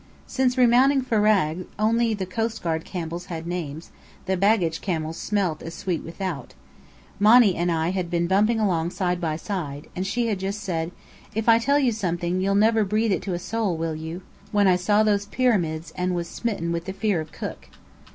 Since remounting Farag (only the coastguard camels had names; the baggage beasts smelt as sweet without) Monny and I had been bumping along side by side, and she had just said, "If I tell you something, you'll never breathe it to a soul, will you?" when I saw those Pyramids, and was smitten with the fear of Cook.